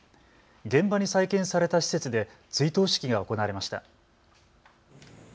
現場に再建された施設で追悼式が行われました。